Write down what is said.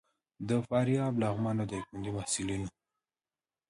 د فاریاب، لغمان او ډایکنډي محصلین وو.